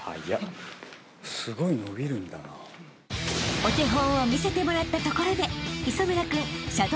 ［お手本を見せてもらったところで］